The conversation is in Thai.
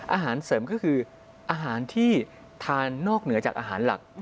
อาหารเสริมก็คืออาหารที่ทานนอกเหนือจากอาหารหลัก